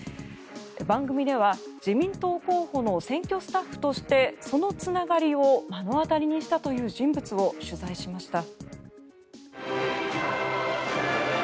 番組では自民党候補の選挙スタッフとしてそのつながりを目の当たりにしたという人物を取材しました。